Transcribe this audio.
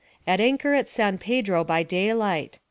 At anchor at San Pedro by daylight.